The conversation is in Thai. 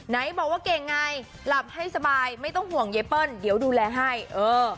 ไหนบอกว่าเก่งไงหลับให้สบายไม่ต้องห่วงใยเปิ้ลเดี๋ยวดูแลให้เออ